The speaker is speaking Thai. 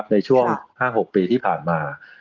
ในช่วง๕๖ปีที่ผ่านมา